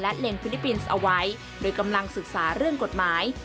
เล็งฟิลิปปินส์เอาไว้โดยกำลังศึกษาเรื่องกฎหมาย